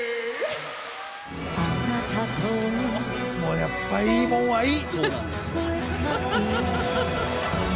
やっぱりいいもんはいい！